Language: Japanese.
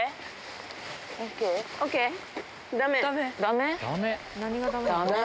ダメ？